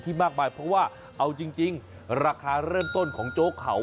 มากมายเพราะว่าเอาจริงราคาเริ่มต้นของโจ๊กเขา